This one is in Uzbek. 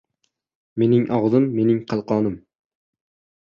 • Mening og‘zim — mening qalqonim.